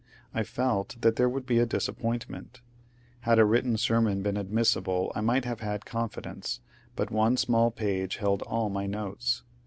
I felt that there would be a dis appointment. Had a written sermon been admissible I might have had confidence, but one small page held all my notes.